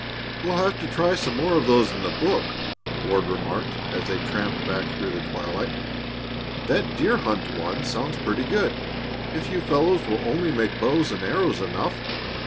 "We'll have to try some more of those in the book," Ward remarked as they tramped back through the twilight. "That deer hunt one sounds pretty good, if you fellows will only make bows and arrows enough.